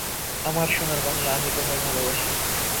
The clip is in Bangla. আমার সোনার বাংলা, আমি তোমায় ভালোবাসি।